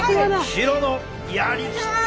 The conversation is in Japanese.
廣野やりきった！